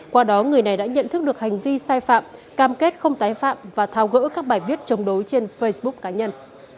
qua đó người này đã nhận thức được hành vi sai phạm cam kết không tái phạm và thao gỡ các bài viết chống đối trên facebook cá nhân